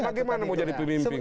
bagaimana mau jadi pemimpin